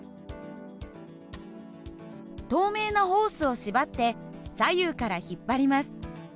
透明なホースを縛って左右から引っ張ります。